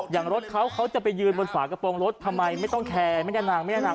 รถเขาเขาจะไปยืนบนฝากระโปรงรถทำไมไม่ต้องแคร์ไม่ได้นางไม่ได้นาง